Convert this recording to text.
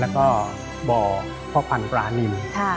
แล้วก็บ่อพ่อพันธุ์ปลานิน